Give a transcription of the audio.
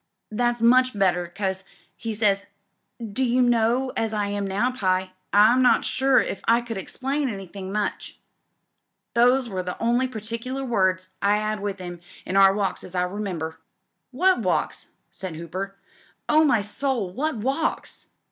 * That's much better, because,' he says, *do you know, as I am now, Pye, I'm not so sure if I could explain anythinff much/ Those were the only pabular wo«is I had ^th 'im in our walks as I remember." "What walks!" said Hooper. "Oh my soul, what walks!"